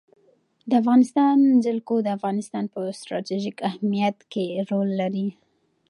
د افغانستان جلکو د افغانستان په ستراتیژیک اهمیت کې رول لري.